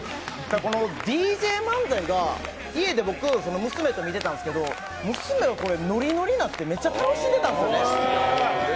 このＤＪ漫才が、家で僕、娘と見てたんですけど娘がこれ、ノリノリになってめっちゃ楽しんでたんですね。